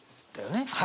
はい。